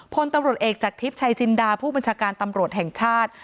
พลตำรวจเอกจากทิพย์ชัยจินดาผู้บัญชาการตำรวจแห่งชาติ